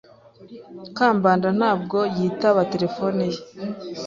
Kambanda ntabwo yitaba terefone ye.